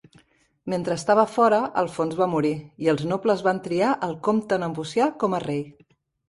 Mentre estava fora, Alfons va morir, i els nobles van triar el Comte Nepocià com a rei.